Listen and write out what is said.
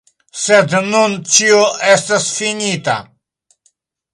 Sed nun ĉio estas finita.